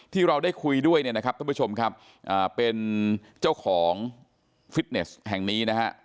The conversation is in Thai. ที่เราได้คุยด้วยเนี่ยนะครับท่านผู้ชมครับเป็นเจ้าของฟิตเนสแห่งนี้นะฮะ